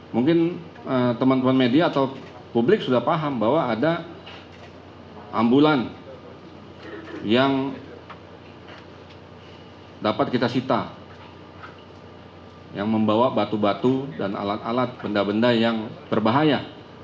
mungkin teman teman media atau publik sudah paham bahwa ada ambulan yang dapat kita sita yang membawa batu batu dan alat alat benda benda yang berbahaya